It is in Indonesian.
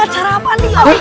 acara apa nih